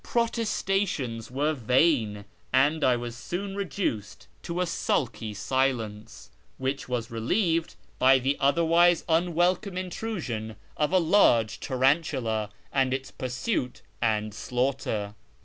Pro testations were vain, and I was soon reduced to a sulky silence, which was relieved by the otherwise unwelcome 414 A YEAR AMONGST THE PERSIANS intrusion of a larye tarantula, and its pursuit and slauglitor.